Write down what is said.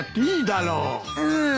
うん。